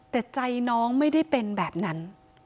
แต่ใจน้องไม่ได้เป็นแบบนั้น